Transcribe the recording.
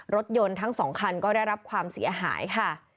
รถยนต์ทั้งสองคันก็ได้รับความเสียหายค่ะ